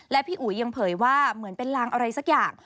และพี่อุ๋ยยังเผยว่าเหมือนเป็นลางอะไรสักอย่าง